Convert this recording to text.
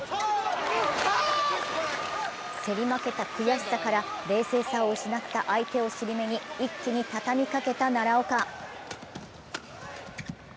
競り負けた悔しさから、冷静さを失った相手に尻目に、一気に畳みかけた奈良岡。